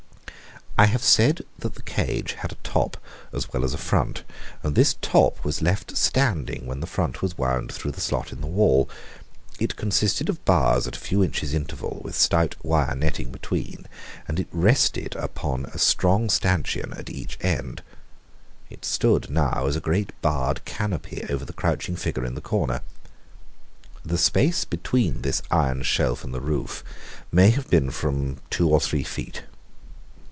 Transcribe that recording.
I have said that the cage had a top as well as a front, and this top was left standing when the front was wound through the slot in the wall. It consisted of bars at a few inches' interval, with stout wire netting between, and it rested upon a strong stanchion at each end. It stood now as a great barred canopy over the crouching figure in the corner. The space between this iron shelf and the roof may have been from two or three feet.